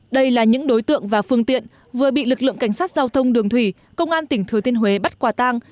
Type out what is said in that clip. đây là những đối tượng và phương tiện vừa bị lực lượng cảnh sát giao thông đường thủy công an tỉnh thừa thiên huế bắt quả tang